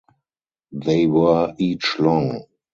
They were each long.